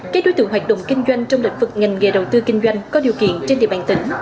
các đối tượng hoạt động kinh doanh trong lĩnh vực ngành nghề đầu tư kinh doanh có điều kiện trên địa bàn tỉnh